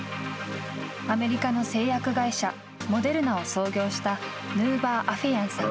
アメリカの製薬会社、モデルナを創業したヌーバー・アフェヤンさん。